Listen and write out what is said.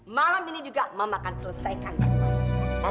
malam ini juga mama akan selesaikan diri mama